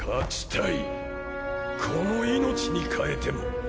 この命に代えても。